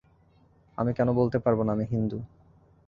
আমি কেন বলতে পারব না আমি হিন্দু?